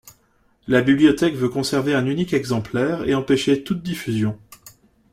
La bibliothèque veut conserver un unique exemplaire et empêcher toute diffusion.